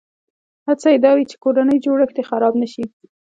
هڅه یې دا وي چې کورنی جوړښت یې خراب نه شي.